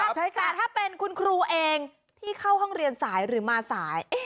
แต่ถ้าเป็นคุณครูเองที่เข้าห้องเรียนสายหรือมาสาย